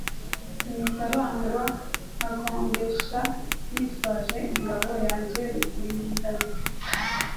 Nshumita bagwa, Nkagongesha nitwaje ingabo yanjye Rugimbabigwi